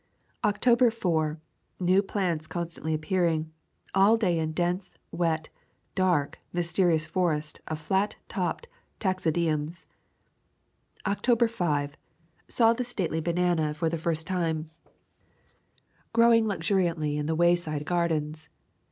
October 4. New plants constantly appearing. All day in dense, wet, dark, mysterious forest of flat topped taxodiums. October 5. Saw the stately banana for the [ 63 ] A Thousand Mile W alk first time, growing luxuriantly in the wayside gardens.